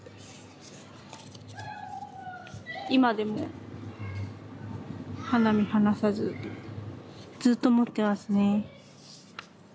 今でも肌身離さずずっと持ってますね。